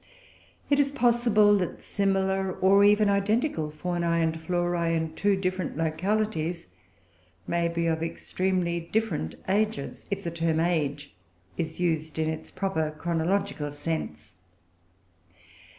It is possible that similar, or even identical, faunae and florae in two different localities may be of extremely different ages, if the term "age" is used in its proper chronological sense.